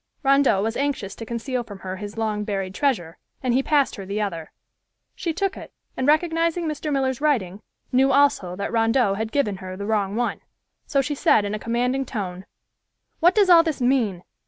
Rondeau was anxious to conceal from her his long buried treasure, and he passed her the other. She took it and recognizing Mr. Miller's writing, knew also that Rondeau had given her the wrong one, so she said in a commanding tone, "What does all this mean?